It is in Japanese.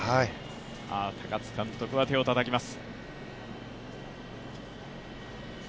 高津監督は手をたたきます。